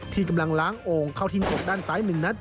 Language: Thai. ที่กำลังล้างโอ่งเข้าทิ้งกลบด้านซ้ายหนึ่งนัด